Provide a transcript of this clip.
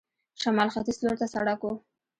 شمال ختیځ لور ته سړک و.